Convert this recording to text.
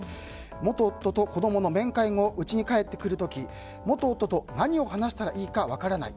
元夫と子供の面会後うちに帰ってくる時元夫と何を話したらいいか分からない。